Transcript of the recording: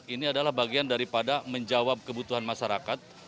ini adalah bagian daripada menjawab kebutuhan masyarakat